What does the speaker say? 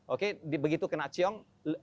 oke begitu kena ciong